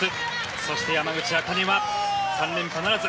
そして山口茜は３連覇ならず。